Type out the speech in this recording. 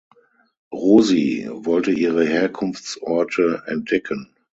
Rosi wollte ihre Herkunftsorte entdecken.